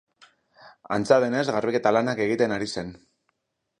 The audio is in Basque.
Antza denez, garbiketa lanak egiten ari zen.